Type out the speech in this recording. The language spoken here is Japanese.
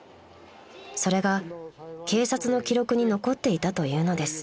［それが警察の記録に残っていたというのです］